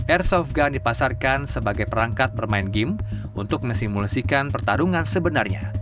airsoft gun dipasarkan sebagai perangkat bermain game untuk mesimulasikan pertarungan sebenarnya